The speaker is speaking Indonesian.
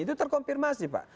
itu terkonfirmasi pak